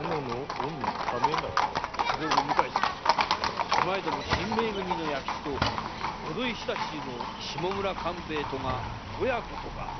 ところで手前ども神盟組の弥吉と御土居下衆の下村勘兵衛とが親子とか。